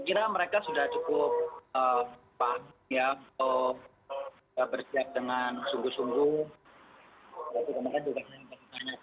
kira mereka sudah cukup